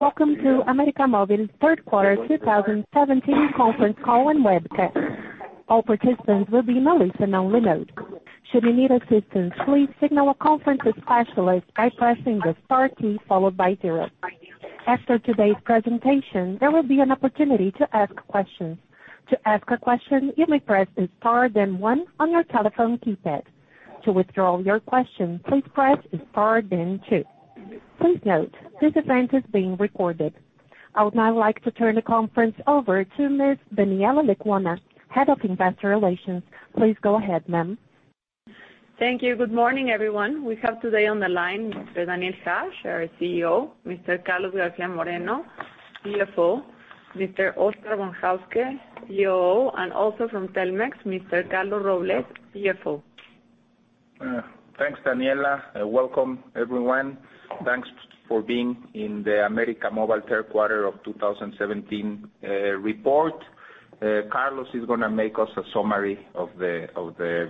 Welcome to América Móvil third quarter 2017 conference call and webcast. All participants will be in a listen-only mode. Should you need assistance, please signal a conference specialist by pressing the star key followed by zero. After today's presentation, there will be an opportunity to ask questions. To ask a question, you may press star then one on your telephone keypad. To withdraw your question, please press star then two. Please note, this event is being recorded. I would now like to turn the conference over to Ms. Daniela Lecuona, Head of Investor Relations. Please go ahead, ma'am. Thank you. Good morning, everyone. We have today on the line, Mr. Daniel Hajj, our CEO, Mr. Carlos García Moreno, CFO, Mr. Oscar Von Hauske, COO, and also from Telmex, Mr. Carlos Robles, CFO. Thanks, Daniela. Welcome everyone. Thanks for being in the América Móvil third quarter of 2017 report. Carlos is going to make us a summary of the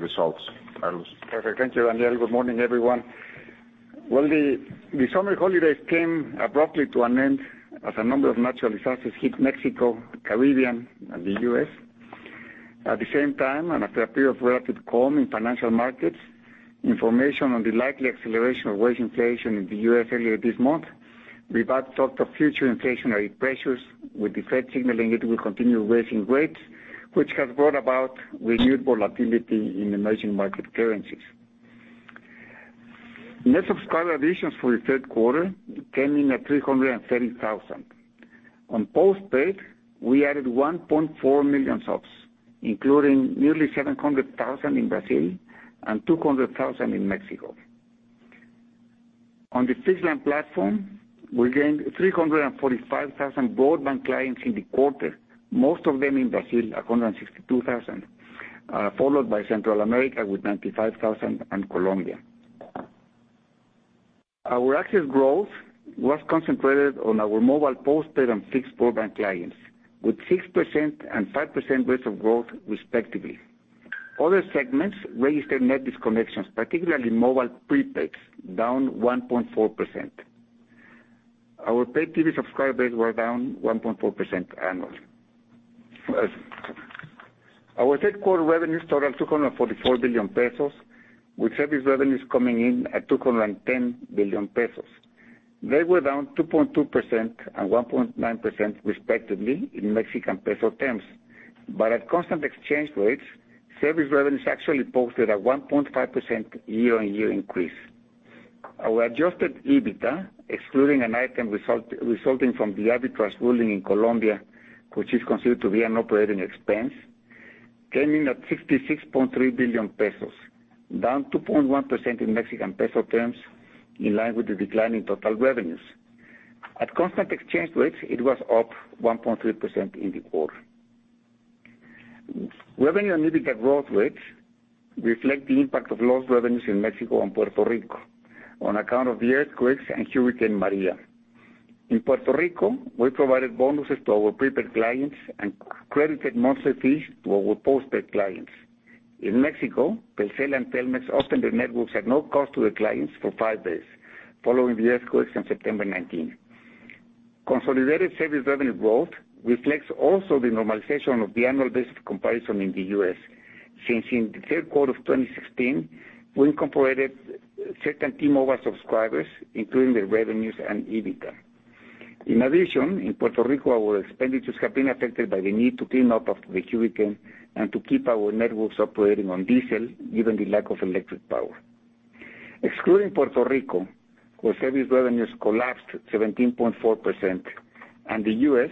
results. Carlos. Perfect. Thank you, Daniel. Good morning, everyone. Well, the summer holidays came abruptly to an end as a number of natural disasters hit Mexico, Caribbean, and the U.S. At the same time, after a period of relative calm in financial markets, information on the likely acceleration of wage inflation in the U.S. earlier this month, revved up talk of future inflationary pressures, with the Fed signaling it will continue raising rates, which has brought about renewed volatility in emerging market currencies. Net subscriber additions for the third quarter came in at 330,000. On postpaid, we added 1.4 million subs, including nearly 700,000 in Brazil and 200,000 in Mexico. On the fixed line platform, we gained 345,000 broadband clients in the quarter, most of them in Brazil, 162,000, followed by Central America with 95,000 and Colombia. Our active growth was concentrated on our mobile postpaid and fixed broadband clients, with 6% and 5% rates of growth respectively. Other segments registered net disconnections, particularly mobile prepaids, down 1.4%. Our pay TV subscribers were down 1.4% annually. Our third quarter revenues totaled 244 billion pesos, with service revenues coming in at 210 billion pesos. They were down 2.2% and 1.9% respectively in MXN terms. At constant exchange rates, service revenues actually posted a 1.5% year-on-year increase. Our adjusted EBITDA, excluding an item resulting from the arbitral ruling in Colombia, which is considered to be an operating expense, came in at 66.3 billion pesos, down 2.1% in MXN terms, in line with the decline in total revenues. At constant exchange rates, it was up 1.3% in the quarter. Revenue and EBITDA growth rates reflect the impact of lost revenues in Mexico and Puerto Rico on account of the earthquakes and Hurricane Maria. In Puerto Rico, we provided bonuses to our prepaid clients and credited monthly fees to our postpaid clients. In Mexico, Telcel and Telmex opened their networks at no cost to the clients for five days following the earthquakes on September 19. Consolidated service revenue growth reflects also the normalization of the annual basis comparison in the U.S., since in the third quarter of 2016, we incorporated certain T-Mobile subscribers, including their revenues and EBITDA. In addition, in Puerto Rico, our expenditures have been affected by the need to clean up after the hurricane and to keep our networks operating on diesel, given the lack of electric power. Excluding Puerto Rico, where service revenues collapsed 17.4%, and the U.S.,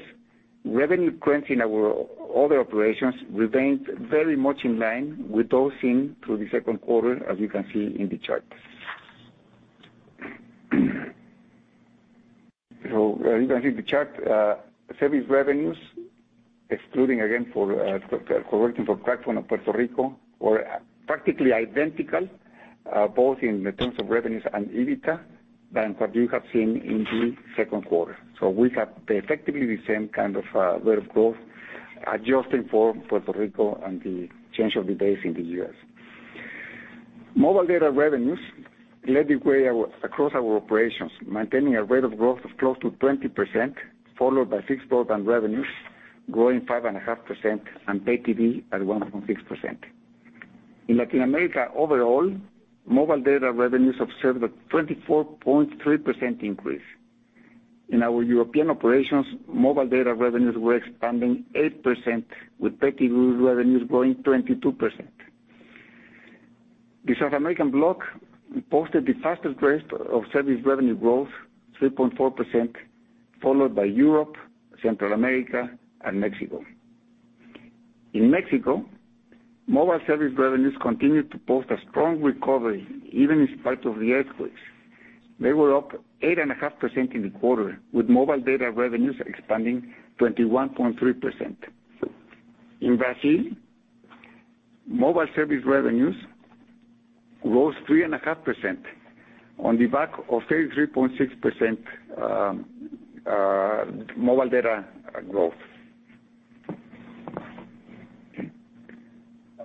revenue trends in our other operations remained very much in line with those seen through the second quarter, as you can see in the chart. As you can see the chart, service revenues, excluding again for correcting for Puerto Rico, were practically identical, both in terms of revenues and EBITDA, than what you have seen in the second quarter. We have effectively the same kind of rate of growth, adjusting for Puerto Rico and the change of the base in the U.S. Mobile data revenues led the way across our operations, maintaining a rate of growth of close to 20%, followed by fixed broadband revenues growing 5.5% and pay TV at 1.6%. In Latin America overall, mobile data revenues observed a 24.3% increase. In our European operations, mobile data revenues were expanding 8%, with pay TV revenues growing 22%. The South American block posted the fastest rate of service revenue growth, 3.4%, followed by Europe, Central America, and Mexico. In Mexico, mobile service revenues continued to post a strong recovery, even in spite of the earthquakes. They were up 8.5% in the quarter, with mobile data revenues expanding 21.3%. In Brazil, mobile service revenues rose 3.5% on the back of 33.6% mobile data growth.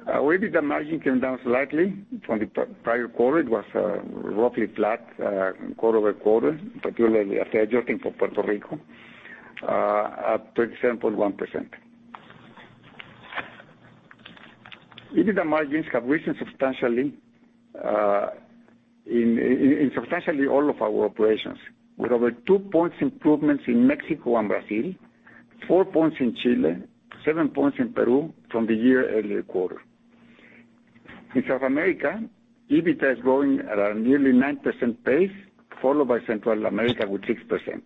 EBITDA margin came down slightly from the prior quarter. It was roughly flat quarter-over-quarter, particularly after adjusting for Puerto Rico, at 37.1%. EBITDA margins have risen substantially in substantially all of our operations, with over 2 points improvements in Mexico and Brazil, 4 points in Chile, 7 points in Peru from the year-earlier quarter. In South America, EBITDA is growing at a nearly 9% pace, followed by Central America with 6%.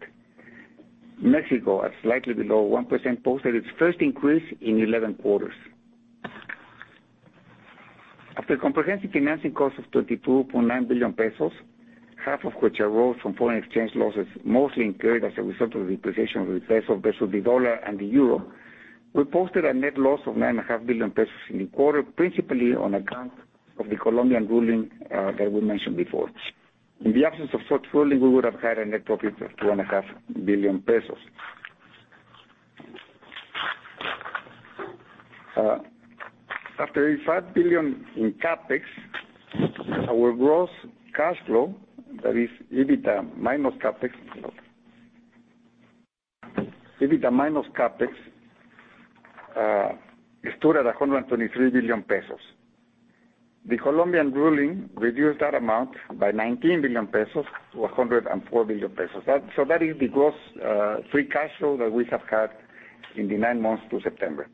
Mexico, at slightly below 1%, posted its first increase in 11 quarters. After comprehensive financing cost of 22.9 billion pesos, half of which arose from foreign exchange losses, mostly incurred as a result of the appreciation of the peso versus the dollar and the euro, we posted a net loss of nine and a half billion MXN in the quarter, principally on account of the Colombian ruling that we mentioned before. In the absence of such ruling, we would have had a net profit of two and a half billion MXN. After $85 billion in CapEx, our gross cash flow, that is EBITDA minus CapEx, stood at 123 billion pesos. The Colombian ruling reduced that amount by 19 billion pesos to 104 billion pesos. That is the gross free cash flow that we have had in the nine months to September.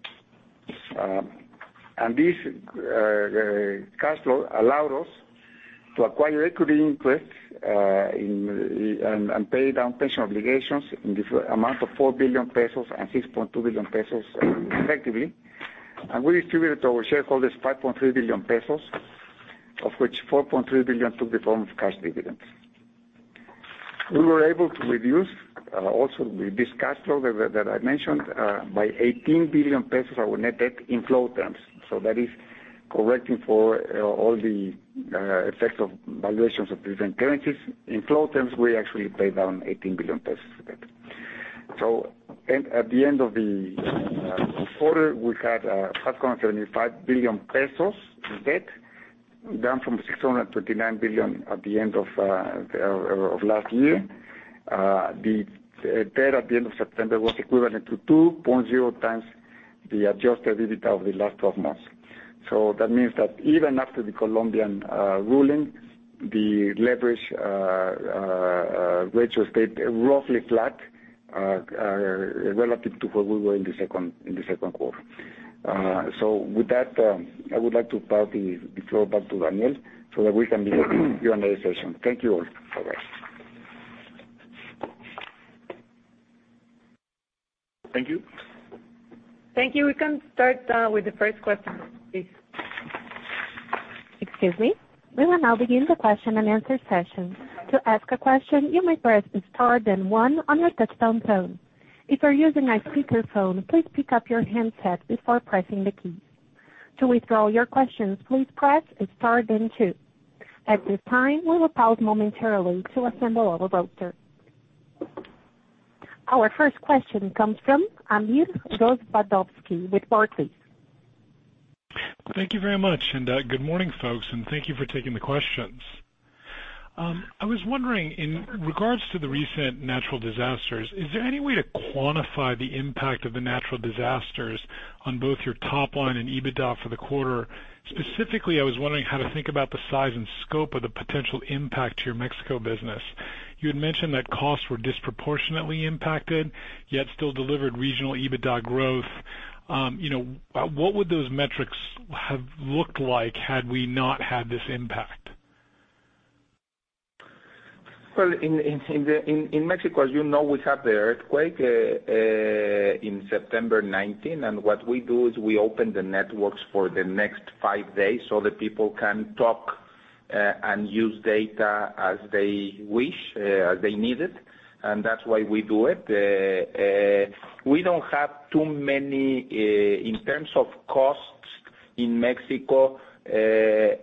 This cash flow allowed us to acquire equity interest and pay down pension obligations in the amount of 4 billion pesos and 6.2 billion pesos respectively. We distributed to our shareholders 5.3 billion pesos, of which 4.3 billion took the form of cash dividends. We were able to reduce also this cash flow that I mentioned by 18 billion pesos our net debt in flow terms. That is correcting for all the effects of valuations of different currencies. In flow terms, we actually paid down 18 billion pesos of debt. At the end of the quarter, we had 575 billion pesos in debt, down from 629 billion at the end of last year. The debt at the end of September was equivalent to 2.0 times the adjusted EBITDA of the last 12 months. That means that even after the Colombian ruling, the leverage ratio stayed roughly flat relative to where we were in the second quarter. With that, I would like to pass the floor back to Daniel so that we can begin the Q&A session. Thank you all. Bye-bye. Thank you. Thank you. We can start with the first question, please. Excuse me. We will now begin the question-and-answer session. To ask a question, you may press star then one on your touchtone phone. If you're using a speakerphone, please pick up your handset before pressing the key. To withdraw your questions, please press star then two. At this time, we will pause momentarily to assemble our roster. Our first question comes from Amir Rozwadowski with Barclays. Thank you very much, and good morning, folks, and thank you for taking the questions. I was wondering in regards to the recent natural disasters, is there any way to quantify the impact of the natural disasters on both your top line and EBITDA for the quarter? Specifically, I was wondering how to think about the size and scope of the potential impact to your Mexico business. You had mentioned that costs were disproportionately impacted, yet still delivered regional EBITDA growth. What would those metrics have looked like had we not had this impact? Well, in Mexico, as you know, we had the earthquake in September 19, and what we do is we open the networks for the next five days so that people can talk and use data as they wish, as they need it. That's why we do it. We don't have too many in terms of costs in Mexico.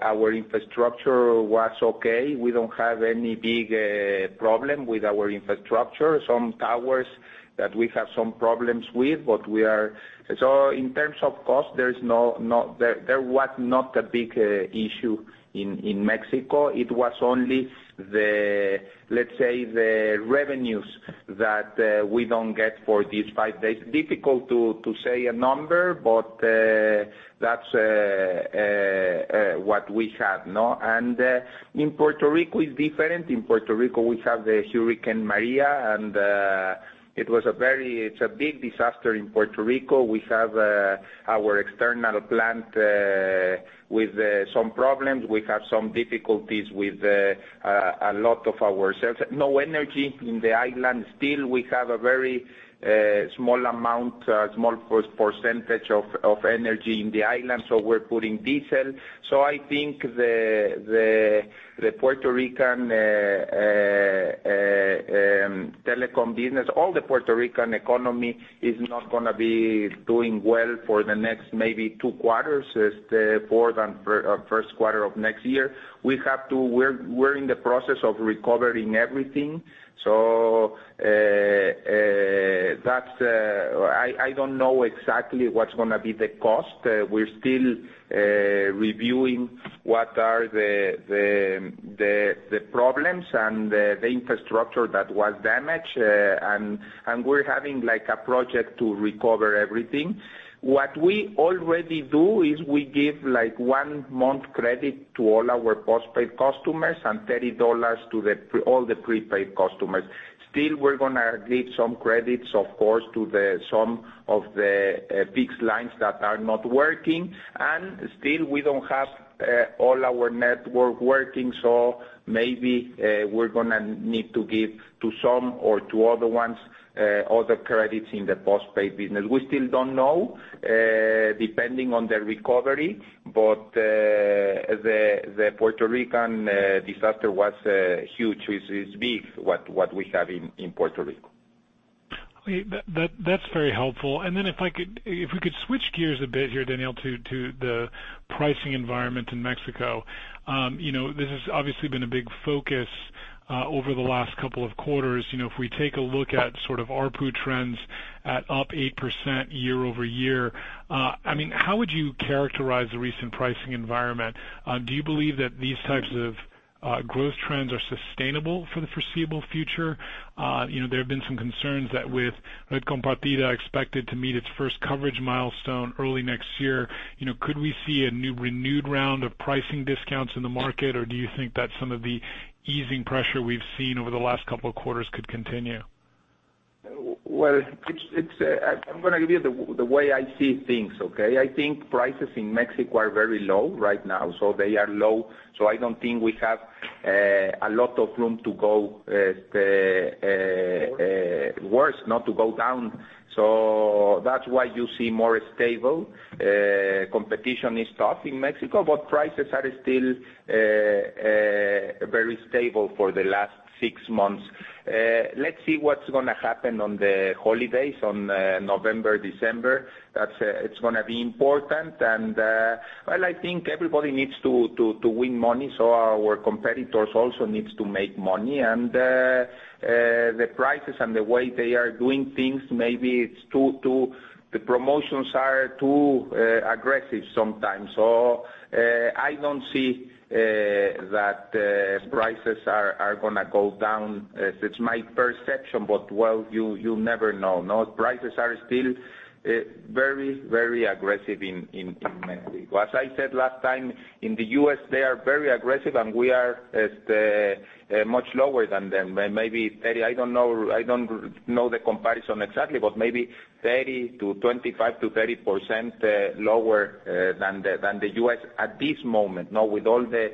Our infrastructure was okay. We don't have any big problem with our infrastructure. Some towers that we have some problems with. In terms of cost, there was not a big issue in Mexico. It was only the, let's say, the revenues that we don't get for these five days. Difficult to say a number, but that's what we have, no. In Puerto Rico, it's different. In Puerto Rico, we have the Hurricane Maria, and it's a big disaster in Puerto Rico. We have our external plant with some problems. We have some difficulties with a lot of our services. No energy in the island still. We have a very small amount, small percentage of energy in the island, so we're putting diesel. I think the Puerto Rican telecom business, all the Puerto Rican economy is not gonna be doing well for the next maybe two quarters, the fourth and first quarter of next year. We're in the process of recovering everything. I don't know exactly what's going to be the cost. We're still reviewing what are the problems and the infrastructure that was damaged. We're having a project to recover everything. What we already do is we give one month credit to all our postpaid customers and MXN 30 to all the prepaid customers. Still, we're going to give some credits, of course, to some of the fixed lines that are not working. Still, we don't have all our network working, so maybe we're going to need to give to some or to other ones, other credits in the postpaid business. We still don't know, depending on the recovery, but the Puerto Rican disaster was huge. It's big, what we have in Puerto Rico. That's very helpful. If we could switch gears a bit here, Daniel, to the pricing environment in Mexico. This has obviously been a big focus over the last couple of quarters. If we take a look at sort of ARPU trends at up 8% year-over-year, how would you characterize the recent pricing environment? Do you believe that these types of growth trends are sustainable for the foreseeable future? There have been some concerns that with Red Compartida expected to meet its first coverage milestone early next year, could we see a renewed round of pricing discounts in the market? Do you think that some of the easing pressure we've seen over the last couple of quarters could continue? Well, I'm going to give you the way I see things, okay? I think prices in Mexico are very low right now. They are low, so I don't think we have a lot of room to go worse, not to go down. That's why you see more stable. Competition is tough in Mexico, but prices are still very stable for the last six months. Let's see what's going to happen on the holidays, on November, December. It's going to be important, and, well, I think everybody needs to win money, so our competitors also needs to make money. The prices and the way they are doing things, maybe the promotions are too aggressive sometimes. I don't see that prices are going to go down. It's my perception, but, well, you never know, no? Prices are still very aggressive in Mexico. As I said last time, in the U.S., they are very aggressive, and we are much lower than them. Maybe 30, I don't know the comparison exactly, but maybe 25%-30% lower than the U.S. at this moment, with all the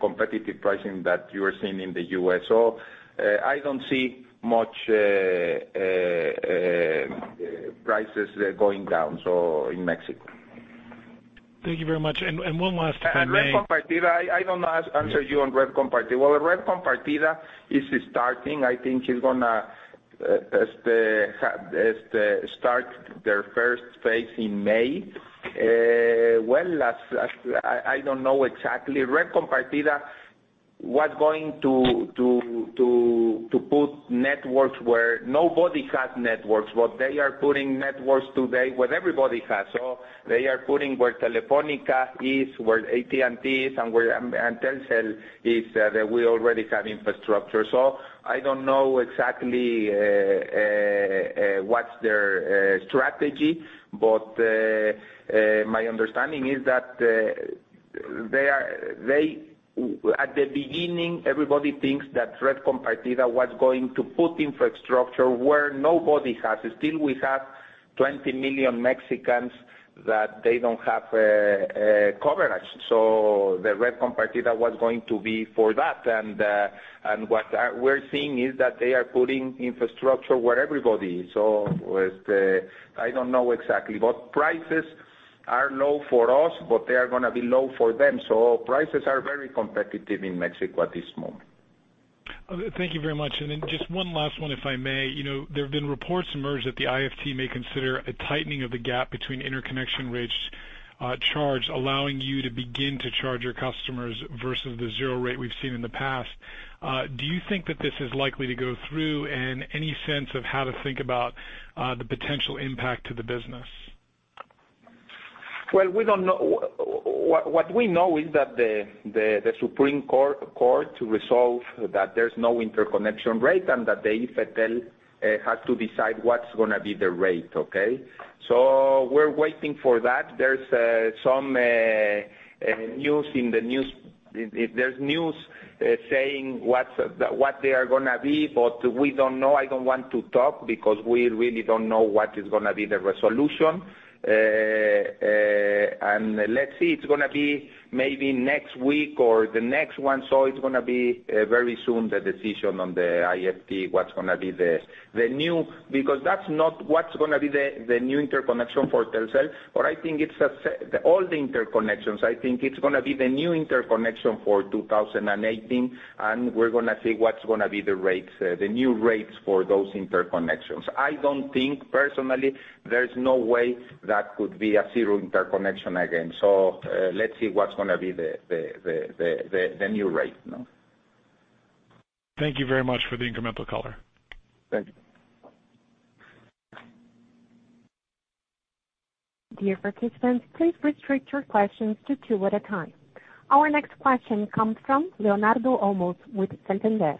competitive pricing that you are seeing in the U.S. I don't see much prices going down in Mexico. Thank you very much. One last, if I may. Red Compartida, I don't answer you on Red Compartida. Red Compartida is starting. I think it's going to start their first phase in May. I don't know exactly. Red Compartida was going to put networks where nobody has networks, but they are putting networks today where everybody has. They are putting where Telefónica is, where AT&T is, and Telcel is, that we already have infrastructure. I don't know exactly what's their strategy, but my understanding is that at the beginning, everybody thinks that Red Compartida was going to put infrastructure where nobody has. Still, we have 20 million Mexicans that they don't have coverage. The Red Compartida was going to be for that. What we're seeing is that they are putting infrastructure where everybody is. I don't know exactly. Prices are low for us, but they are going to be low for them. Prices are very competitive in Mexico at this moment. Thank you very much. Just one last one, if I may. There have been reports emerged that the IFT may consider a tightening of the gap between interconnection rates charged, allowing you to begin to charge your customers versus the zero rate we've seen in the past. Do you think that this is likely to go through? Any sense of how to think about the potential impact to the business? We don't know. What we know is that the Supreme Court resolved that there's no interconnection rate, and that the IFT has to decide what's going to be the rate, okay. We're waiting for that. There's news saying what they are going to be, but we don't know. I don't want to talk because we really don't know what is going to be the resolution. Let's see, it's going to be maybe next week or the next one. It's going to be very soon, the decision on the IFT. That's not what's going to be the new interconnection for Telcel, but I think it's all the interconnections. I think it's going to be the new interconnection for 2018, and we're going to see what's going to be the new rates for those interconnections. I don't think, personally, there's no way that could be a zero interconnection again. Let's see what's going to be the new rate. Thank you very much for the incremental color. Thank you. Dear participants, please restrict your questions to two at a time. Our next question comes from Leonardo Olmos with Santander.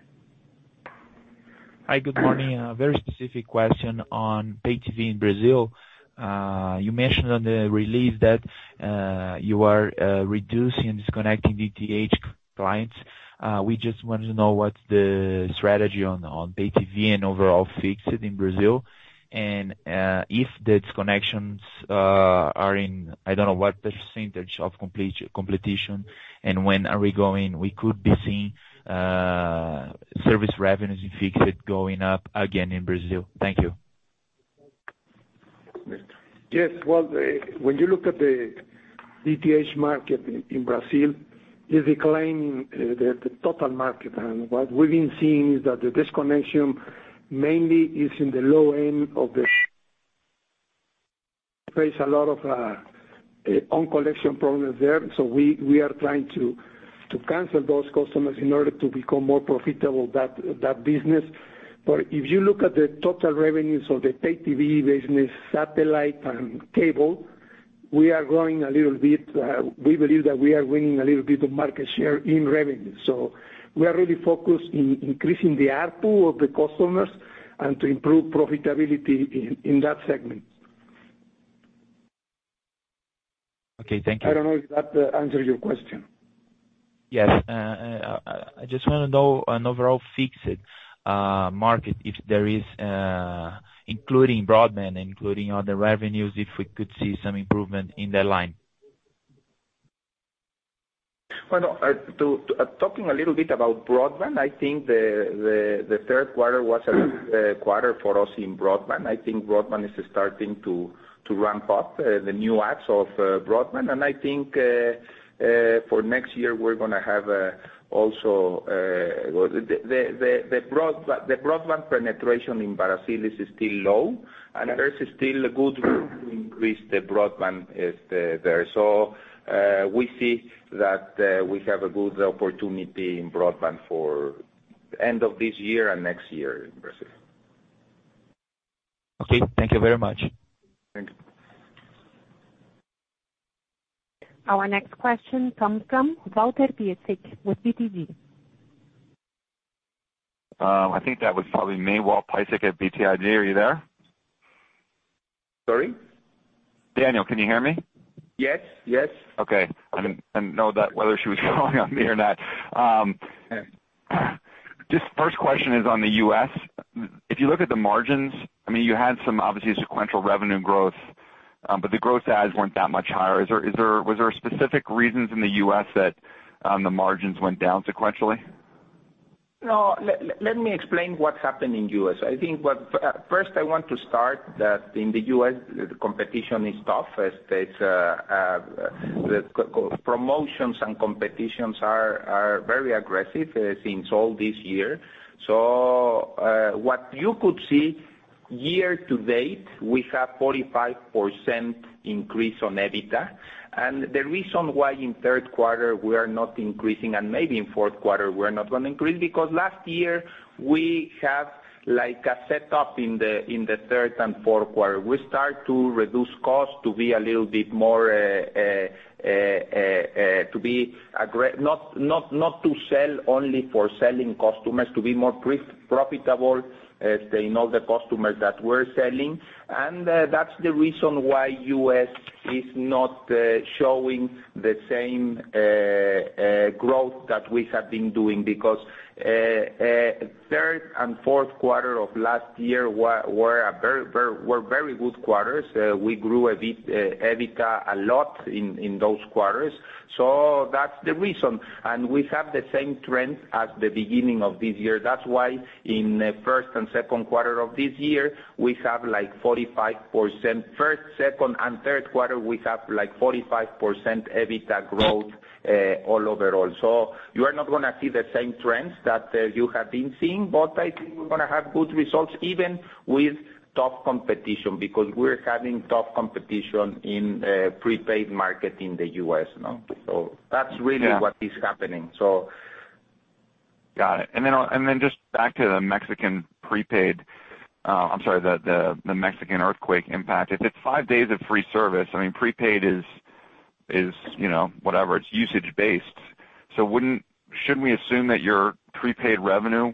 Hi, good morning. A very specific question on pay TV in Brazil. You mentioned on the release that you are reducing and disconnecting DTH clients. We just wanted to know what the strategy on pay TV and overall fixed in Brazil is. If the disconnections are in, I don't know what percentage of competition, and when we could be seeing service revenues in fixed going up again in Brazil. Thank you. Yes. Well, when you look at the DTH market in Brazil, it's declining, the total market. What we've been seeing is that the disconnection mainly is in the low end of the base a lot of on collection problems there. We are trying to cancel those customers in order to become more profitable, that business. If you look at the total revenues of the pay TV business, satellite and cable, we are growing a little bit. We believe that we are winning a little bit of market share in revenue. We are really focused in increasing the ARPU of the customers and to improve profitability in that segment. Okay, thank you. I don't know if that answered your question. Yes. I just want to know on overall fixed market, if there is, including broadband, including other revenues, if we could see some improvement in that line. Well, talking a little bit about broadband, I think the third quarter was a good quarter for us in broadband. I think broadband is starting to ramp up the new adds of broadband, and I think for next year we're going to have, also the broadband penetration in Brazil is still low and there's still a good room to increase the broadband there. We see that we have a good opportunity in broadband for end of this year and next year in Brazil. Okay. Thank you very much. Thank you. Our next question comes from Walter Piecyk with BTIG. I think that was probably me, Walt Piecyk at BTIG. Are you there? Sorry? Daniel, can you hear me? Yes. Okay. I didn't know that whether she was calling on me or not. This first question is on the U.S. If you look at the margins, I mean, you had some obviously sequential revenue growth, but the growth adds weren't that much higher. Was there specific reasons in the U.S. that the margins went down sequentially? No, let me explain what happened in U.S. I think, first I want to start that in the U.S., the competition is tough as promotions and competitions are very aggressive since all this year. What you could see year to date, we have 45% increase on EBITDA. The reason why in third quarter we are not increasing, and maybe in fourth quarter we're not going to increase, because last year we have like a set up in the third and fourth quarter. We start to reduce costs to be more profitable in all the customers that we're selling. That's the reason why U.S. is not showing the same growth that we have been doing because third and fourth quarter of last year were very good quarters. We grew EBITDA a lot in those quarters. That's the reason. We have the same trend at the beginning of this year. That's why in the first and second quarter of this year, we have like 45%. First, second and third quarter, we have like 45% EBITDA growth all overall. You are not going to see the same trends that you have been seeing, but I think we're going to have good results even with tough competition, because we're having tough competition in prepaid market in the U.S. now. That's really what is happening. Got it. Just back to the Mexican earthquake impact. If it's five days of free service, I mean, prepaid is whatever, it's usage based. Shouldn't we assume that your prepaid revenue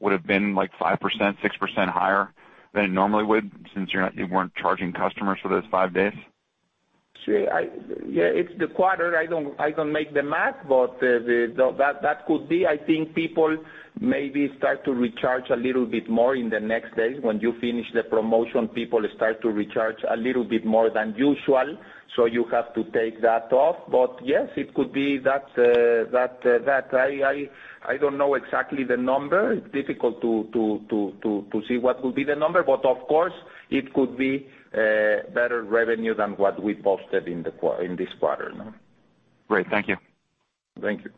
would've been like 5%, 6% higher than it normally would since you weren't charging customers for those five days? Yeah, it's the quarter. I don't make the math, but that could be. I think people maybe start to recharge a little bit more in the next days. When you finish the promotion, people start to recharge a little bit more than usual, so you have to take that off. Yes, it could be that. I don't know exactly the number. It's difficult to see what will be the number, but of course it could be better revenue than what we posted in this quarter. Great. Thank you. Thank you.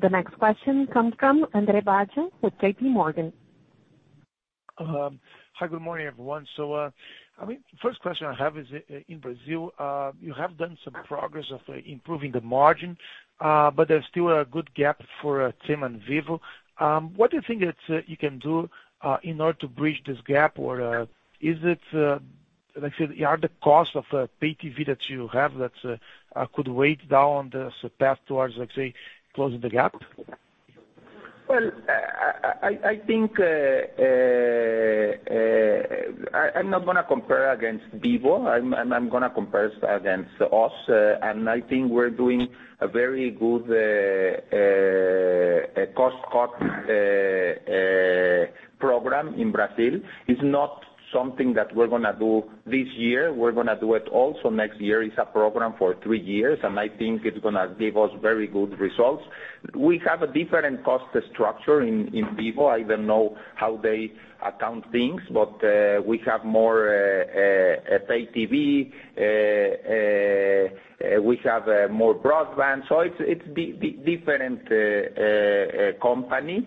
The next question comes from André Bacci with JPMorgan. Hi, good morning, everyone. First question I have is in Brazil, you have done some progress of improving the margin, but there's still a good gap for TIM and Vivo. What do you think you can do in order to bridge this gap? Or are the cost of pay TV that you have that could weigh down this path towards closing the gap? Well, I'm not going to compare against Vivo. I'm going to compare against us, and I think we're doing a very good cost-cut program in Brazil. It's not something that we're going to do this year. We're going to do it also next year. It's a program for three years, and I think it's going to give us very good results. We have a different cost structure in Vivo. I don't know how they account things, but we have more pay TV, we have more broadband. It's different company.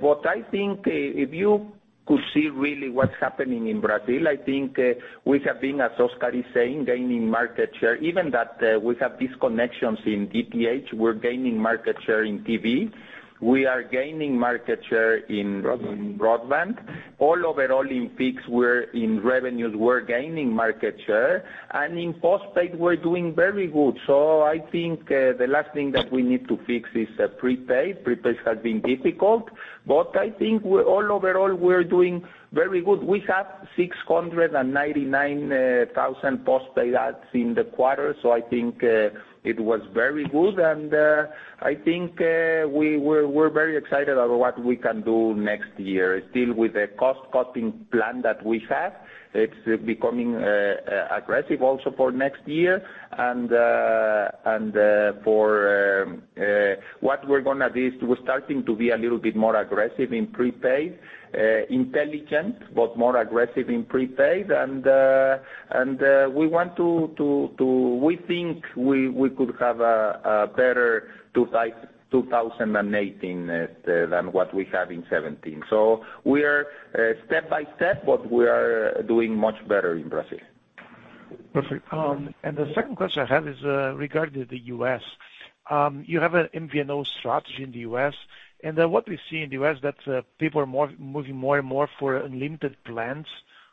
What I think, if you could see really what's happening in Brazil, I think we have been, as Oscar is saying, gaining market share. Even that we have disconnections in DTH, we're gaining market share in TV. We are gaining market share in broadband. All overall in fixed, in revenues, we're gaining market share. In postpaid, we're doing very good. I think the last thing that we need to fix is prepaid. Prepaid has been difficult. I think all overall, we're doing very good. We have 699,000 postpaid adds in the quarter. I think it was very good, and I think we're very excited about what we can do next year. Still with the cost-cutting plan that we have, it's becoming aggressive also for next year. What we're going to do is we're starting to be a little bit more aggressive in prepaid, intelligent, but more aggressive in prepaid. We think we could have a better 2018 than what we had in 2017. We are step by step, but we are doing much better in Brazil. Perfect. The second question I have is regarding the U.S. You have an MVNO strategy in the U.S., and what we see in the U.S. that people are moving more and more for unlimited plans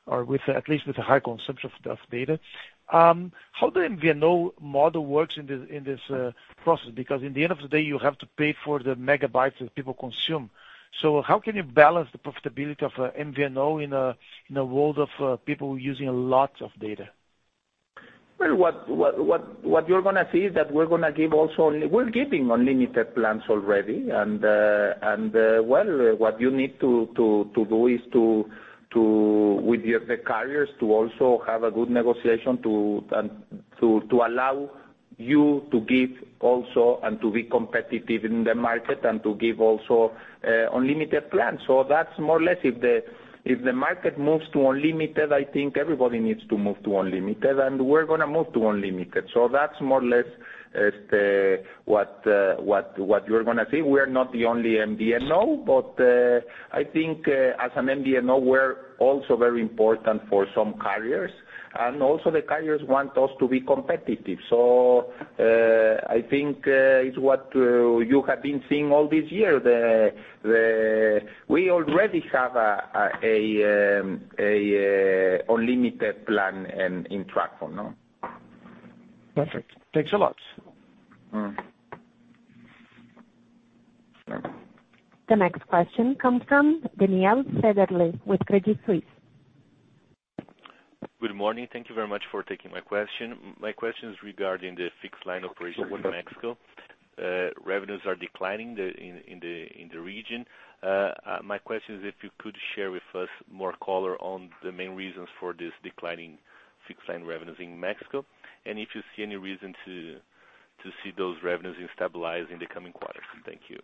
or with at least with a high consumption of data. How the MVNO model works in this process? Because in the end of the day, you have to pay for the megabytes that people consume. How can you balance the profitability of MVNO in a world of people using a lot of data? Well, what you're going to see is that we're giving unlimited plans already. What you need to do is with the carriers to also have a good negotiation to allow you to give also and to be competitive in the market and to give also unlimited plans. That's more or less if the market moves to unlimited, I think everybody needs to move to unlimited, and we're going to move to unlimited. That's more or less what you're going to see. We're not the only MVNO, but I think as an MVNO, we're also very important for some carriers. And also the carriers want us to be competitive. I think it's what you have been seeing all this year. We already have a unlimited plan in TracFone, no? Perfect. Thanks a lot. The next question comes from Daniela Segre with Credit Suisse. Good morning. Thank you very much for taking my question. My question is regarding the fixed-line operation with Mexico. Revenues are declining in the region. My question is if you could share with us more color on the main reasons for this declining fixed-line revenues in Mexico, and if you see any reason to see those revenues stabilize in the coming quarters. Thank you.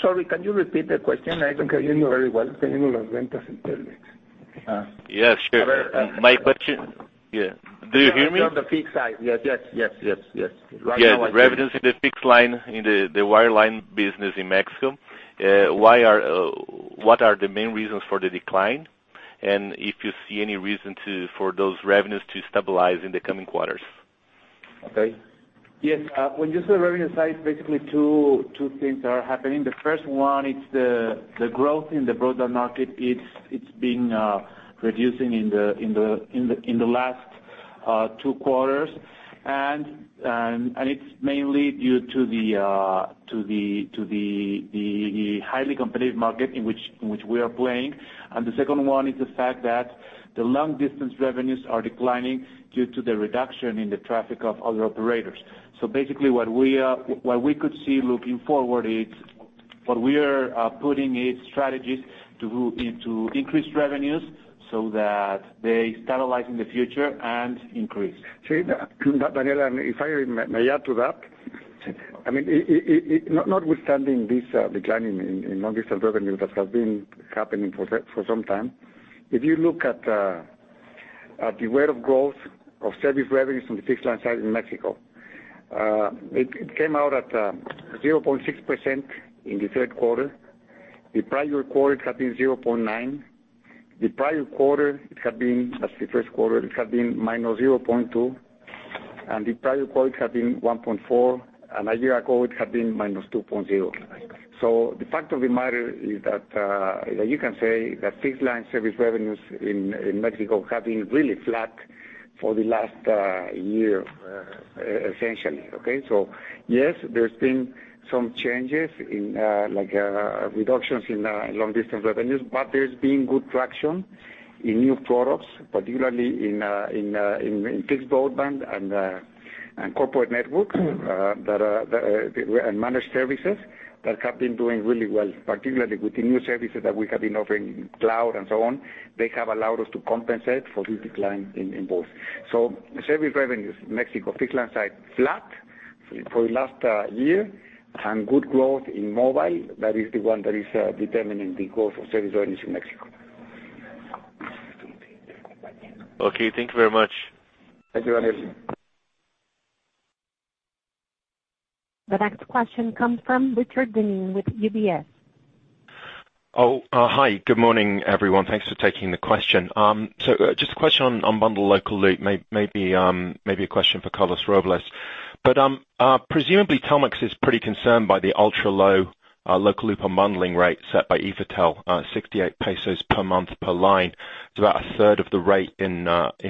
Sorry, can you repeat the question? I don't hear you very well. Yes, sure. My question. Yeah. Do you hear me? On the fixed-side. Yes. Yeah. The revenues in the fixed line, in the wireline business in Mexico, what are the main reasons for the decline, and if you see any reason for those revenues to stabilize in the coming quarters? Okay. Yes. When you say the revenue side, basically two things are happening. The first one, it's the growth in the broadband market, it's been reducing in the last two quarters. It's mainly due to the highly competitive market in which we are playing. The second one is the fact that the long-distance revenues are declining due to the reduction in the traffic of other operators. Basically, what we could see looking forward, what we are putting is strategies to increase revenues so that they stabilize in the future and increase. Daniel, if I may add to that. Notwithstanding this decline in long-distance revenue that has been happening for some time, if you look at At the rate of growth of service revenues from the fixed line side in Mexico. It came out at 0.6% in the third quarter. The prior quarter had been 0.9%. The prior quarter, that's the first quarter, it had been -0.2%, and the prior quarter had been 1.4%, and a year ago, it had been -2.0%. The fact of the matter is that you can say that fixed line service revenues in Mexico have been really flat for the last year, essentially. Okay? Yes, there's been some changes, like reductions in long-distance revenues, but there's been good traction in new products, particularly in fixed broadband and corporate networks, and managed services that have been doing really well, particularly with the new services that we have been offering in cloud and so on. They have allowed us to compensate for the decline in both. The service revenues, Mexico fixed line side, flat for the last year, and good growth in mobile. That is the one that is determining the growth of service revenues in Mexico. Okay. Thank you very much. Thank you, Daniel. The next question comes from Richard Dineen with UBS. Oh, hi. Good morning, everyone. Thanks for taking the question. Just a question on unbundled local loop. Maybe a question for Carlos Robles. Presumably, Telmex is pretty concerned by the ultra-low local loop unbundling rate set by IFT, 68 pesos per month per line. It's about a third of the rate in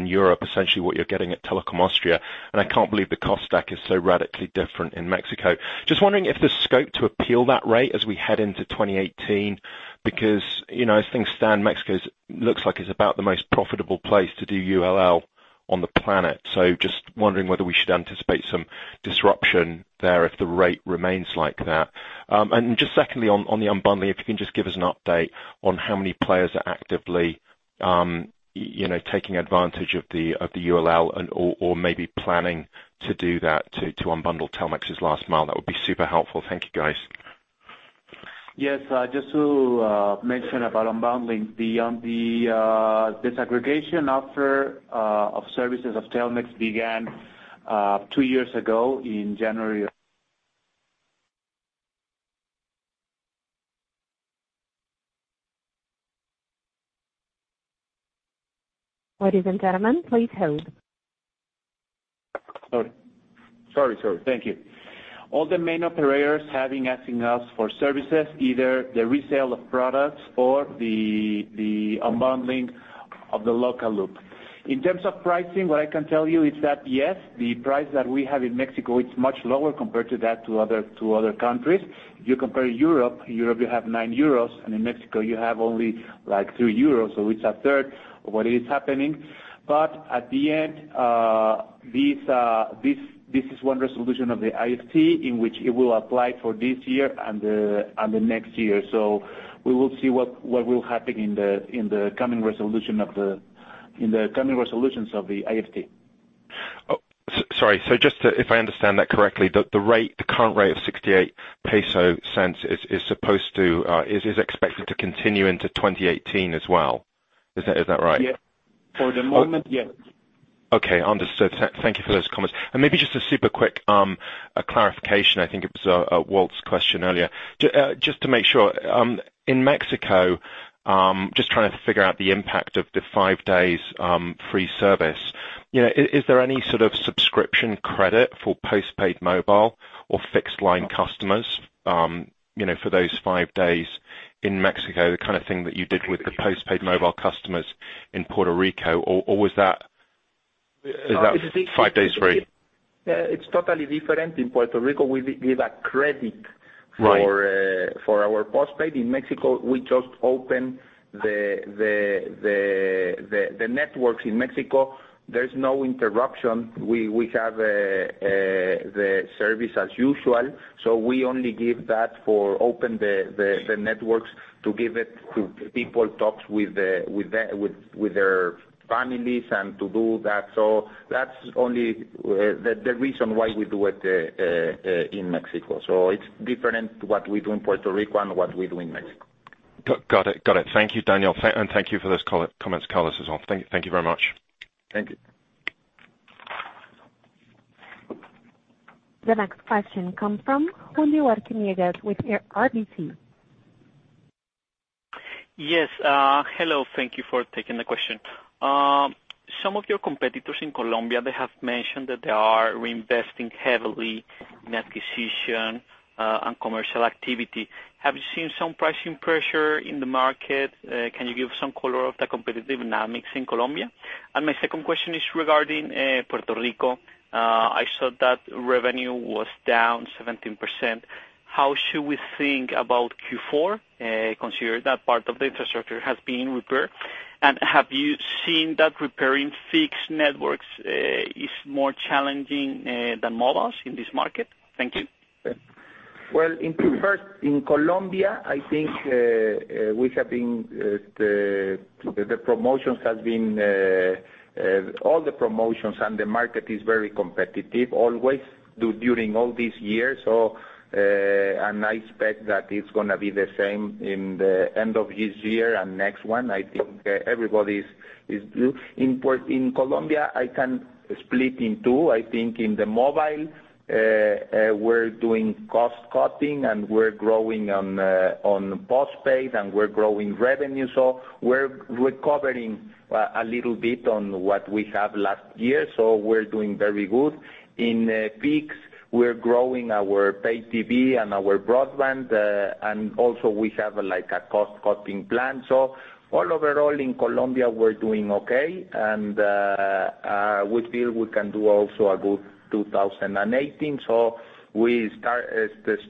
Europe, essentially what you're getting at Telekom Austria. I can't believe the cost stack is so radically different in Mexico. Just wondering if there's scope to appeal that rate as we head into 2018. As things stand, Mexico looks like it's about the most profitable place to do ULL on the planet. Just wondering whether we should anticipate some disruption there if the rate remains like that. Just secondly, on the unbundling, if you can just give us an update on how many players are actively taking advantage of the ULL or maybe planning to do that to unbundle Telmex's last mile. That would be super helpful. Thank you, guys. Yes. Just to mention about unbundling. The disaggregation offer of services of Telmex began two years ago in January. Ladies and gentlemen, please hold. Sorry. Thank you. All the main operators have been asking us for services, either the resale of products or the unbundling of the local loop. In terms of pricing, what I can tell you is that, yes, the price that we have in Mexico, it is much lower compared to that to other countries. If you compare Europe, in Europe you have 9 euros, and in Mexico you have only like 3 euros. It is a third of what is happening. At the end, this is one resolution of the IFT in which it will apply for this year and the next year. We will see what will happen in the coming resolutions of the IFT. Sorry. If I understand that correctly, the current rate of 0.68 is expected to continue into 2018 as well. Is that right? For the moment, yes. Okay. Understood. Thank you for those comments. Maybe just a super quick clarification. I think it was Walt's question earlier. Just to make sure, in Mexico, just trying to figure out the impact of the five days free service. Is there any sort of subscription credit for post-paid mobile or fixed-line customers for those five days in Mexico, the kind of thing that you did with the post-paid mobile customers in Puerto Rico? Or was that five days free? It's totally different. In Puerto Rico, we give a credit- Right for our post-paid. In Mexico, we just open the networks in Mexico. There's no interruption. We have the service as usual. We only give that for open the networks to give it to people talks with their families, and to do that. That's only the reason why we do it in Mexico. It's different to what we do in Puerto Rico and what we do in Mexico. Got it. Thank you, Daniel. Thank you for those comments, Carlos, as well. Thank you very much. Thank you. The next question comes from Julio Arciniegas with RBC. Yes. Hello, thank you for taking the question. Some of your competitors in Colombia, they have mentioned that they are reinvesting heavily in acquisition and commercial activity. Have you seen some pricing pressure in the market? Can you give some color of the competitive dynamics in Colombia? My second question is regarding Puerto Rico. I saw that revenue was down 17%. How should we think about Q4, considering that part of the infrastructure has been repaired? Have you seen that repairing fixed networks is more challenging than mobiles in this market? Thank you. Well, first, in Colombia, I think all the promotions and the market is very competitive always during all these years. I expect that it's gonna be the same in the end of this year and next one. I think everybody's Is true. In Colombia, I can split in two. I think in the mobile, we're doing cost-cutting, and we're growing on postpaid, and we're growing revenue. We're recovering a little bit on what we have last year, so we're doing very good. In fixed, we're growing our paid TV and our broadband, and also we have a cost-cutting plan. All overall in Colombia, we're doing okay, and we feel we can do also a good 2018. We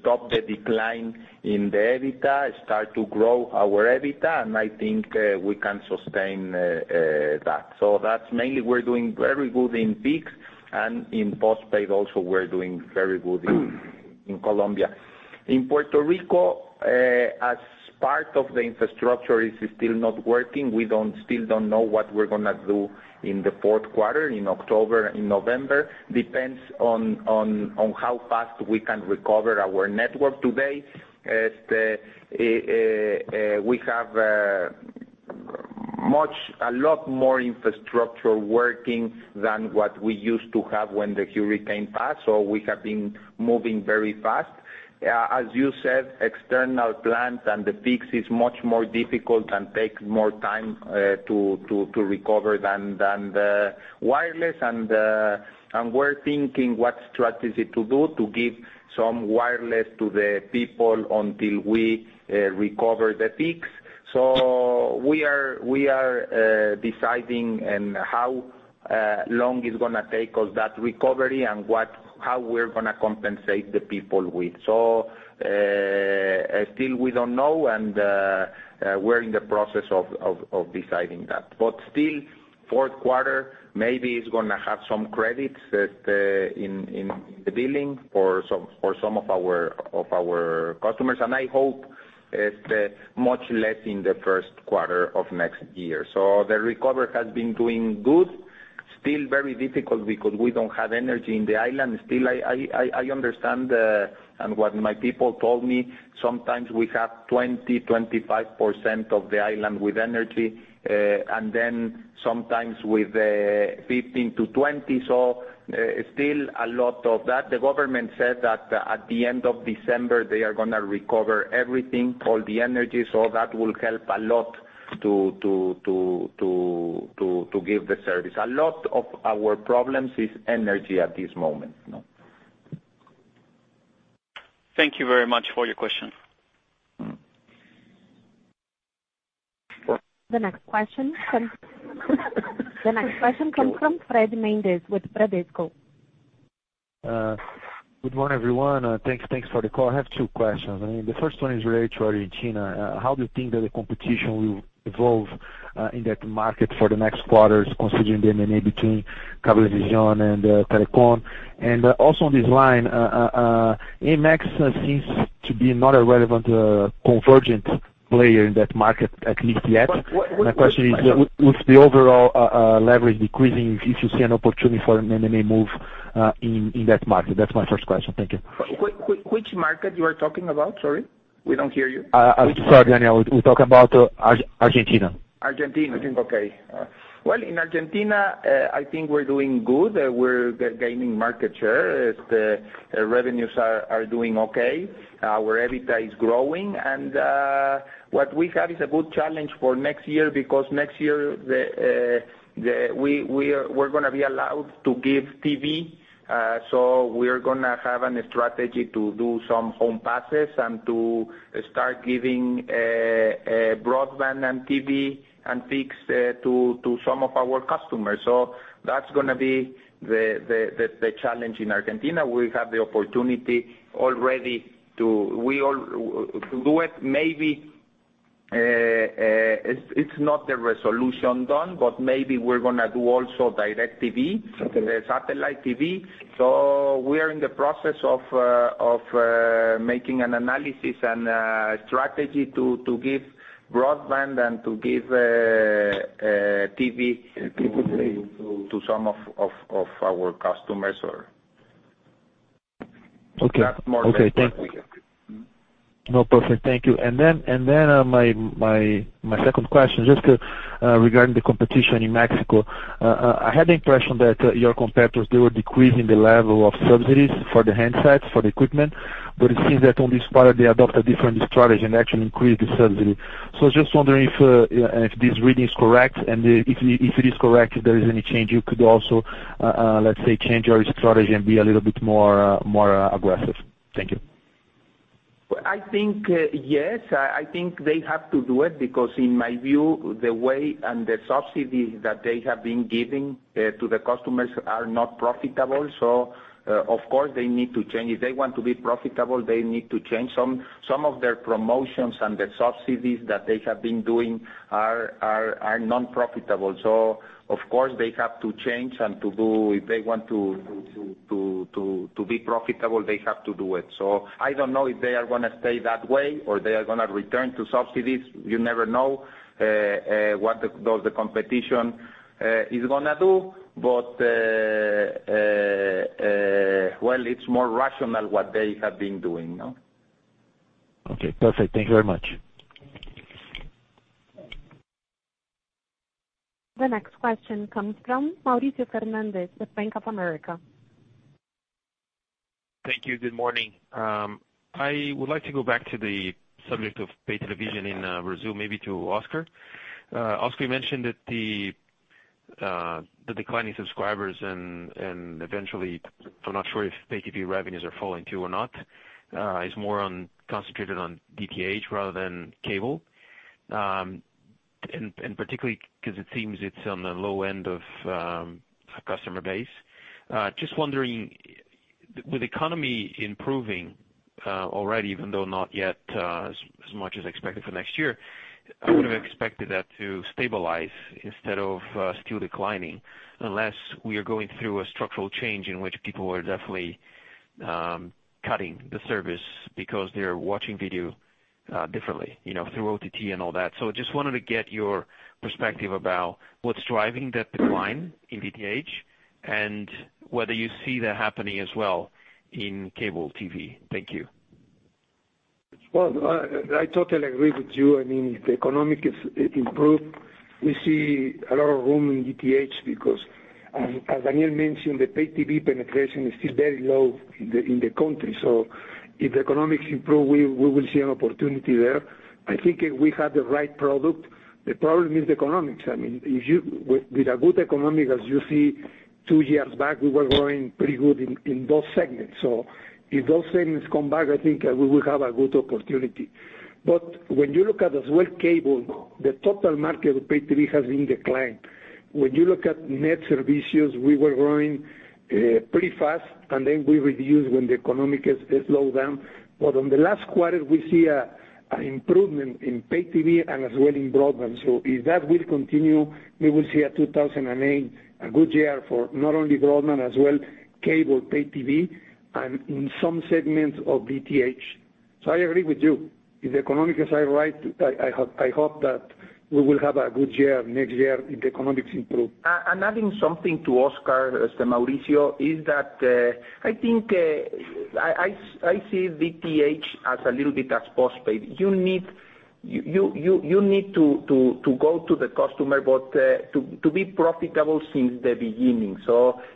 stop the decline in the EBITDA, start to grow our EBITDA, and I think we can sustain that. That's mainly we're doing very good in fixed, and in postpaid also, we're doing very good in Colombia. In Puerto Rico, as part of the infrastructure is still not working, we still don't know what we're going to do in the fourth quarter, in October, in November. Depends on how fast we can recover our network today. We have a lot more infrastructure working than what we used to have when the hurricane passed, so we have been moving very fast. As you said, external plans and the fixed is much more difficult and take more time to recover than the wireless. We're thinking what strategy to do to give some wireless to the people until we recover the fixed. We are deciding and how long it's going to take us that recovery, and how we're going to compensate the people with. Still we don't know, and we're in the process of deciding that. Still, fourth quarter, maybe it's going to have some credits in the billing for some of our customers, and I hope much less in the first quarter of next year. The recovery has been doing good. Still very difficult because we don't have energy in the island. Still, I understand, and what my people told me, sometimes we have 20%, 25% of the island with energy, and then sometimes with 15%-20%. Still a lot of that. The government said that at the end of December, they are going to recover everything, all the energy, so that will help a lot to give the service. A lot of our problems is energy at this moment. Thank you very much for your question. The next question comes from Fred Mendes with Bradesco. Good morning, everyone. Thanks for the call. I have two questions. The first one is related to Argentina. How do you think that the competition will evolve in that market for the next quarters considering the M&A between Cablevisión and Telecom? Also on this line, AMX seems to be not a relevant convergent player in that market, at least yet. What's the question? My question is, with the overall leverage decreasing, if you see an opportunity for an M&A move in that market. That's my first question. Thank you. Which market you are talking about? Sorry, we don't hear you. Sorry, Daniel. We're talking about Argentina. Argentina. Okay. Well, in Argentina, I think we're doing good. We're gaining market share. The revenues are doing okay. Our EBITDA is growing. What we have is a good challenge for next year because next year we're going to be allowed to give TV. We're going to have a strategy to do some home passes and to start giving broadband and TV and fixed to some of our customers. That's going to be the challenge in Argentina. We have the opportunity already to do it. Maybe it's not the resolution done, but maybe we're going to do also DirecTV- Okay the satellite TV. We are in the process of making an analysis and a strategy to give broadband and to give TV to some of our customers. Okay. That's more or less what we have. Perfect. Thank you. My second question, just regarding the competition in Mexico. I had the impression that your competitors, they were decreasing the level of subsidies for the handsets, for the equipment. It seems that on this part, they adopt a different strategy and actually increase the subsidy. Just wondering if this reading is correct, and if it is correct, if there is any change you could also, let's say, change your strategy and be a little bit more aggressive. Thank you. I think, yes. I think they have to do it because in my view, the way and the subsidy that they have been giving to the customers are not profitable. Of course, they need to change. If they want to be profitable, they need to change. Some of their promotions and the subsidies that they have been doing are non-profitable. Of course, they have to change, and if they want to be profitable, they have to do it. I don't know if they are going to stay that way or they are going to return to subsidies. You never know what the competition is going to do. Well, it's more rational what they have been doing. Perfect. Thank you very much. The next question comes from Mauricio Fernandez with Bank of America. Thank you. Good morning. I would like to go back to the subject of paid television in Brazil, maybe to Oscar. Oscar, you mentioned that the declining subscribers and eventually, I am not sure if paid TV revenues are falling too or not, is more concentrated on DTH rather than cable. Particularly because it seems it is on the low end of customer base. Just wondering, with the economy improving already, even though not yet as much as expected for next year, I would have expected that to stabilize instead of still declining. Unless we are going through a structural change in which people are definitely cutting the service because they are watching video differently, through OTT and all that. Just wanted to get your perspective about what is driving that decline in DTH, and whether you see that happening as well in cable TV. Thank you. I totally agree with you. If the economic improves, we see a lot of room in DTH because, as Daniel mentioned, the paid TV penetration is still very low in the country. If the economics improve, we will see an opportunity there. I think we have the right product. The problem is the economics. With a good economic, as you see, two years back, we were growing pretty good in those segments. If those segments come back, I think we will have a good opportunity. When you look at, as well, cable, the total market of paid TV has been declined. When you look at Net Serviços, we were growing pretty fast, and then we reduced when the economic has slowed down. But on the last quarter, we see an improvement in paid TV and as well in broadband. If that will continue, we will see a 2008, a good year for not only broadband, as well, cable, paid TV, and in some segments of DTH. I agree with you. If the economics are right, I hope that we will have a good year next year if the economics improve. Adding something to Oscar, Mauricio, is that I think I see DTH as a little bit as postpaid. You need to go to the customer, but to be profitable since the beginning.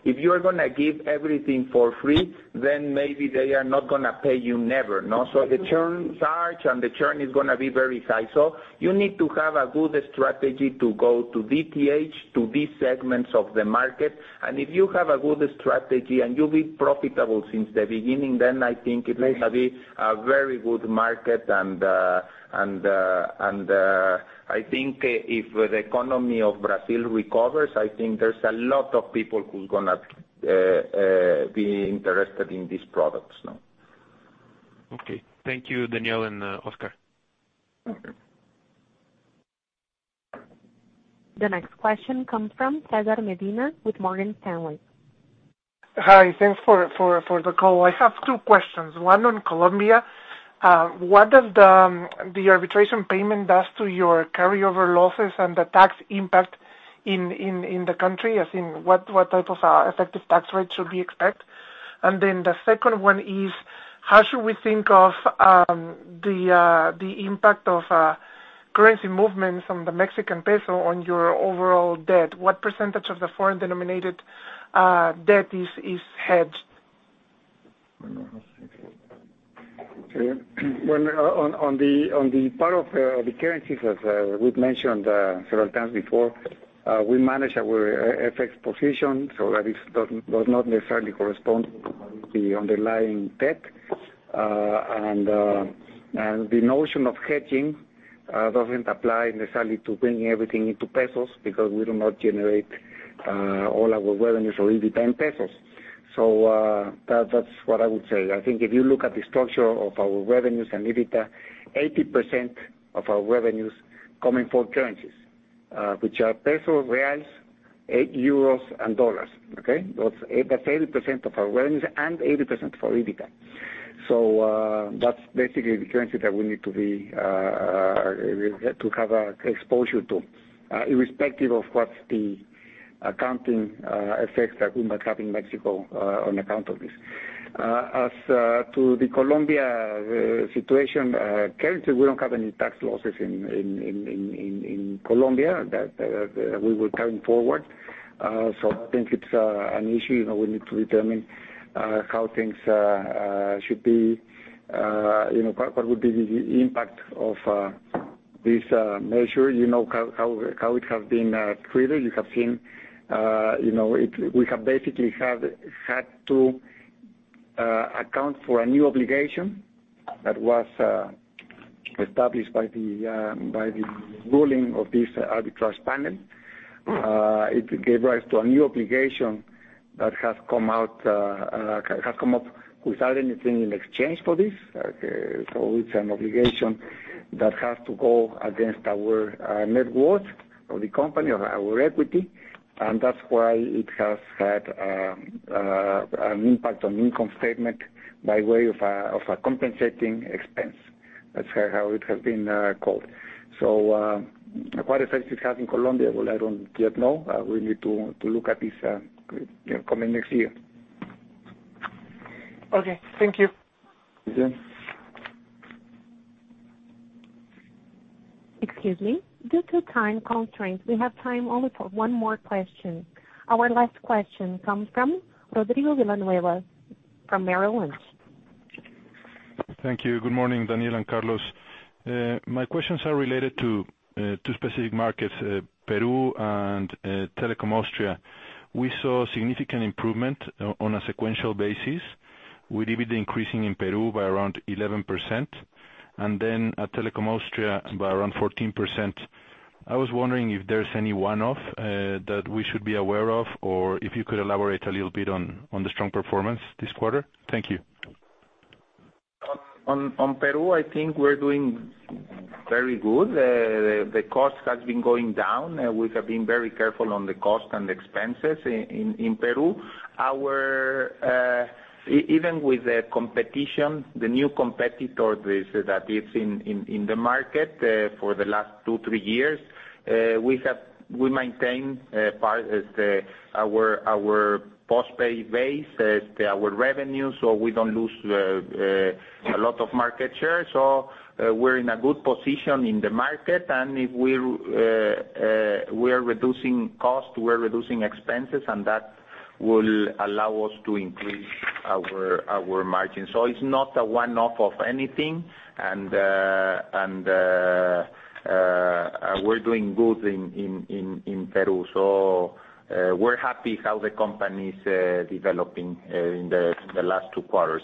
If you are going to give everything for free, then maybe they are not going to pay you never. The churn starts, and the churn is going to be very high. You need to have a good strategy to go to DTH, to these segments of the market. If you have a good strategy and you will be profitable since the beginning, then I think it may be a very good market. I think if the economy of Brazil recovers, I think there is a lot of people who is going to be interested in these products now. Okay. Thank you, Daniel and Oscar. The next question comes from Cesar Medina with Morgan Stanley. Hi, thanks for the call. I have two questions. One on Colombia. What does the arbitration payment does to your carryover losses and the tax impact in the country? As in, what type of effective tax rate should we expect? The second one is, how should we think of the impact of currency movements from the Mexican peso on your overall debt? What % of the foreign-denominated debt is hedged? On the part of the currencies, as we've mentioned several times before, we manage our FX position so that it does not necessarily correspond to the underlying debt. The notion of hedging doesn't apply necessarily to bringing everything into MXN because we do not generate all our revenues or EBITDA in MXN. That's what I would say. I think if you look at the structure of our revenues and EBITDA, 80% of our revenues coming from currencies, which are MXN, BRL, EUR, and USD. Okay? That's 80% of our revenues and 80% for EBITDA. That's basically the currency that we need to have exposure to, irrespective of what's the accounting effects that we might have in Mexico on account of this. As to the Colombia situation, currently, we don't have any tax losses in Colombia that we will carry forward. I think it's an issue. We need to determine how things should be. What would be the impact of this measure. You know how it has been created. You have seen we have basically had to account for a new obligation that was established by the ruling of this arbitrage panel. It gave rise to a new obligation that has come up without anything in exchange for this. It's an obligation that has to go against our net worth of the company, of our equity, and that's why it has had an impact on income statement by way of a compensating expense. That's how it has been called. What effect it has in Colombia, well, I don't yet know. We need to look at this coming next year. Okay, thank you. You're welcome. Excuse me. Due to time constraints, we have time only for one more question. Our last question comes from Rodrigo Villanueva from Merrill Lynch. Thank you. Good morning, Daniel and Carlos. My questions are related to two specific markets, Peru and Telekom Austria. We saw significant improvement on a sequential basis with EBITDA increasing in Peru by around 11%, and at Telekom Austria by around 14%. I was wondering if there's any one-off that we should be aware of, or if you could elaborate a little bit on the strong performance this quarter. Thank you. On Peru, I think we're doing very good. The cost has been going down. We have been very careful on the cost and expenses in Peru. Even with the competition, the new competitor that is in the market for the last two, three years, we maintain our postpaid base as our revenue, so we don't lose a lot of market share. We're in a good position in the market, and we're reducing cost, we're reducing expenses, and that will allow us to increase our margin. It's not a one-off of anything, and we're doing good in Peru. We're happy how the company's developing in the last two quarters.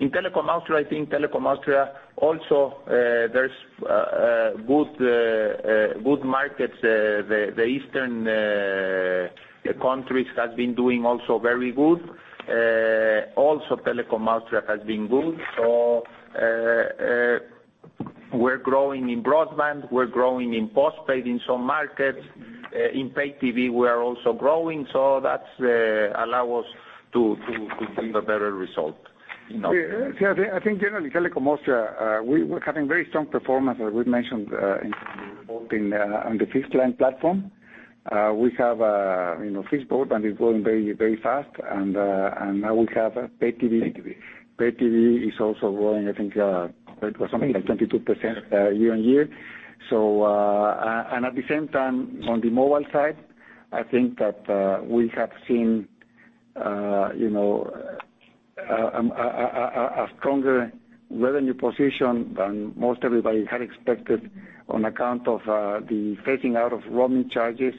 In Telekom Austria, I think Telekom Austria also, there are good markets. The eastern countries have been doing also very good. Telekom Austria has been good. We're growing in broadband, we're growing in postpaid in some markets. In pay TV, we are also growing, that allows us to give a better result. I think generally, Telekom Austria, we're having very strong performance, as we've mentioned in the report on the fixed line platform. Fixed broadband is growing very fast, and now we have pay TV. Pay TV is also growing, I think it was something like 22% year-on-year. At the same time, on the mobile side, I think that we have seen a stronger revenue position than most everybody had expected on account of the phasing out of roaming charges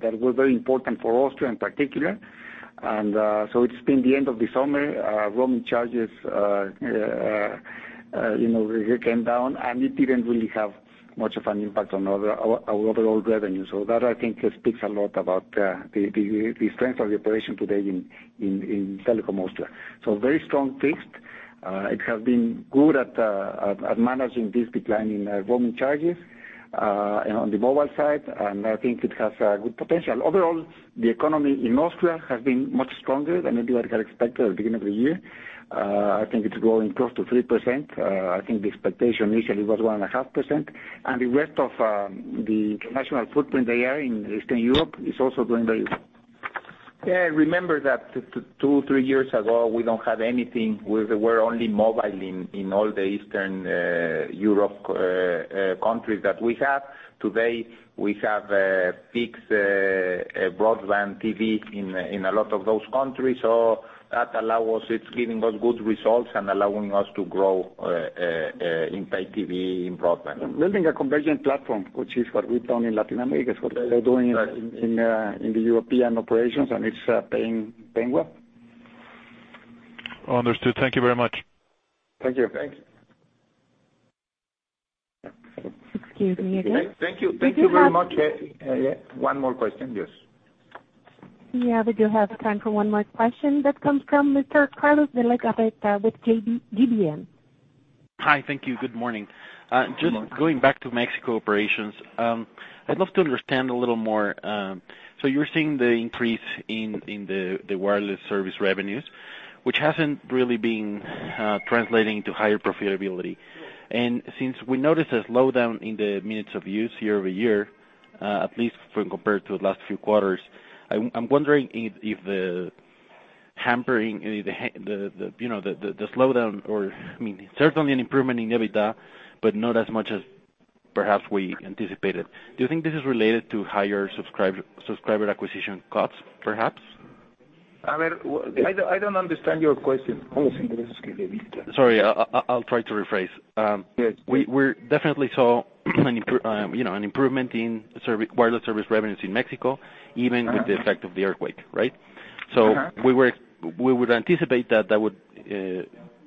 that were very important for Austria in particular. It's been the end of the summer. Roaming charges came down, and it didn't really have much of an impact on our overall revenue. That, I think, speaks a lot about the strength of the operation today in Telekom Austria. Very strong fixed. It has been good at managing this decline in roaming charges on the mobile side, and I think it has a good potential. Overall, the economy in Austria has been much stronger than maybe what we had expected at the beginning of the year. I think it's growing close to 3%. I think the expectation initially was 1.5%. The rest of the international footprint they are in Eastern Europe is also doing very good. Yeah, remember that two, three years ago, we don't have anything. We were only mobile in all the Eastern Europe countries that we have. Today, we have fixed broadband TV in a lot of those countries. That allows us, it's giving us good results and allowing us to grow in pay TV, in broadband. Building a convergent platform, which is what we've done in Latin America, is what we are doing in the European operations, it's paying well. Understood. Thank you very much. Thank you. Thank you. Excuse me again. Thank you. Thank you very much. We do have. Yeah. One more question. Yes. Yeah, we do have time for one more question. That comes from Mr. Carlos Legarreta with GBM. Hi. Thank you. Good morning. Good morning. Just going back to Mexico operations. I'd love to understand a little more. You're seeing the increase in the wireless service revenues, which hasn't really been translating to higher profitability. Since we noticed a slowdown in the minutes of use year-over-year, at least when compared to the last few quarters, I'm wondering if the hampering, the slowdown, or certainly an improvement in EBITDA, but not as much as perhaps we anticipated. Do you think this is related to higher subscriber acquisition costs, perhaps? I don't understand your question. Sorry, I'll try to rephrase. Yes. We definitely saw an improvement in wireless service revenues in Mexico, even with the effect of the earthquake, right? We would anticipate that that would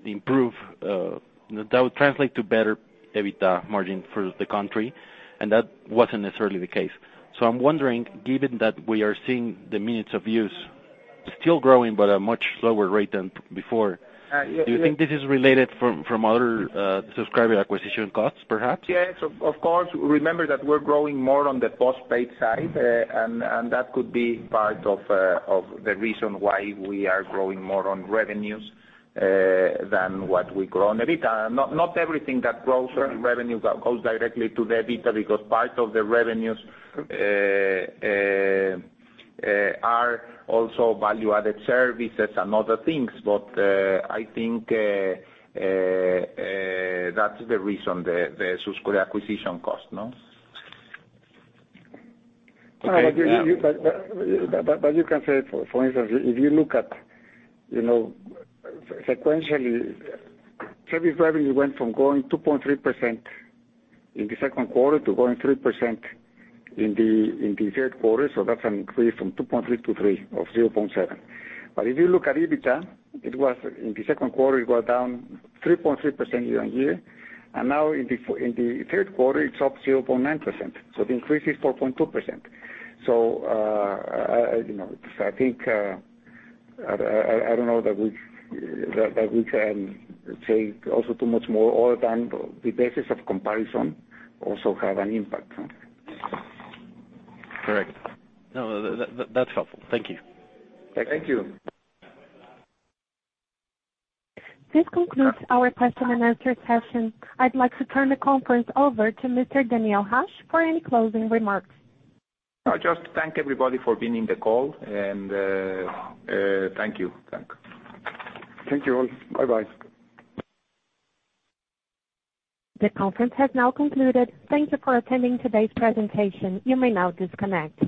improve, that would translate to better EBITDA margin for the country, that wasn't necessarily the case. I'm wondering, given that we are seeing the minutes of use still growing but at a much slower rate than before. Yeah. Do you think this is related from other subscriber acquisition costs, perhaps? Yes. Of course. Remember that we're growing more on the postpaid side, that could be part of the reason why we are growing more on revenues, than what we grow on EBITDA. Not everything that grows on revenue goes directly to the EBITDA, because part of the revenues are also value-added services and other things. I think that's the reason, the subscriber acquisition cost, no? You can say, for instance, if you look at sequentially, service revenue went from growing 2.3% in the second quarter to growing 3% in the third quarter. That's an increase from 2.3 to 3, or 0.7. If you look at EBITDA, in the second quarter, it got down 3.3% year-on-year, and now in the third quarter, it's up 0.9%. The increase is 4.2%. I don't know that we can take also too much more other than the basis of comparison also have an impact. Correct. No, that's helpful. Thank you. Thank you. This concludes our question and answer session. I'd like to turn the conference over to Mr. Daniel Hajj for any closing remarks. I'll just thank everybody for being in the call, and thank you. Thanks. Thank you all. Bye-bye. The conference has now concluded. Thank you for attending today's presentation. You may now disconnect.